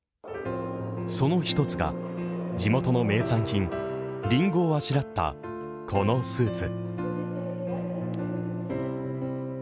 その１つが、地元の名産品りんごをあしらった、このスーツ。